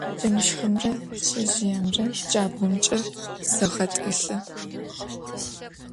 Джэмышхымрэ шъэжъыемрэ джабгъумкӏэ сэгъэтӏылъы.